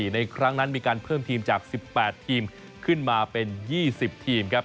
ในครั้งนั้นมีการเพิ่มทีมจาก๑๘ทีมขึ้นมาเป็น๒๐ทีมครับ